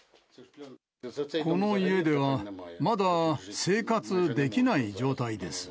この家ではまだ生活できない状態です。